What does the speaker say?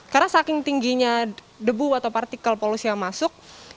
karena saking tingginya debu atau partikel polusi yang masuk